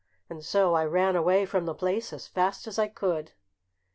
And so I ran away from the place as fast as I could."